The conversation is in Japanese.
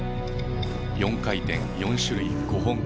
４回転４種類５本。